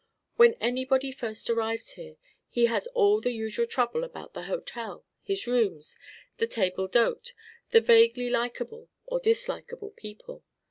When anybody first arrives here, he has all the usual trouble about the hotel, his rooms, the table d'hôte, the vaguely likable or dislikable people.